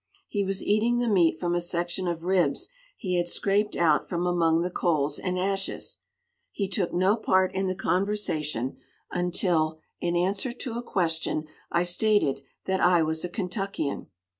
He was eating the meat from a section of ribs he had scraped out from among the coals and ashes. He took no part in the conversation until, in answer to a question, I stated that I was a Kentuckian.